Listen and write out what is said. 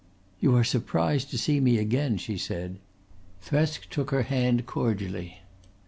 "You are surprised to see me again," she said. Thresk took her hand cordially.